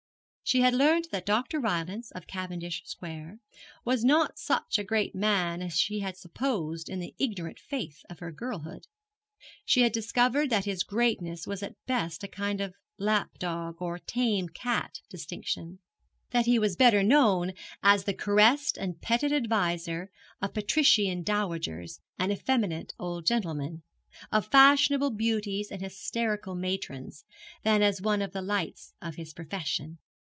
She had learnt that Dr. Rylance, of Cavendish Square, was not quite such a great man as she had supposed in the ignorant faith of her girlhood. She had discovered that his greatness was at best a kind of lap dog or tame cat distinction; that he was better known as the caressed and petted adviser of patrician dowagers and effeminate old gentlemen, of fashionable beauties and hysterical matrons, than as one of the lights of his profession.